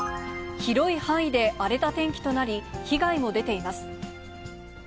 広い範囲で荒れた天気となり、被害も出ています。